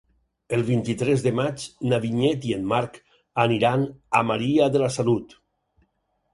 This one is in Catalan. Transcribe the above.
El vint-i-tres de maig na Vinyet i en Marc aniran a Maria de la Salut.